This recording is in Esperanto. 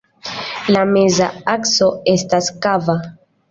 La meza akso estas kava.